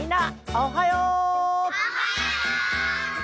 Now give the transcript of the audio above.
おはよう！